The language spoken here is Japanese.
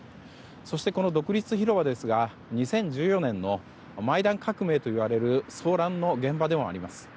そして独立広場ですが２０１４年のマイダン革命といわれる騒乱の現場でもあります。